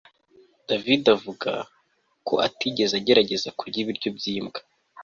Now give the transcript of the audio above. David avuga ko atigeze agerageza kurya ibiryo byimbwa